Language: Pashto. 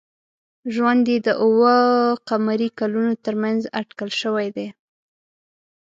ژوند یې د اوه ق کلونو تر منځ اټکل شوی دی.